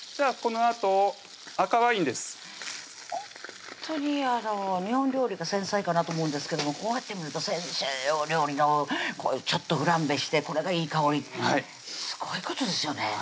このあと赤ワインですほんとにあの日本料理が繊細かなと思うんですけどもこうやって見ると先生お料理のちょっとフランベしてこれがいい香りはいすごいことですよね